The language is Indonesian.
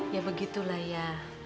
ya begitulah ya